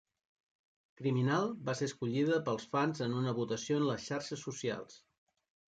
Criminal va ser escollida pels fans en una votació en les xarxes socials.